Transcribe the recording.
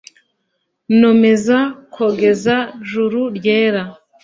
Nomeza kogeza juru ryera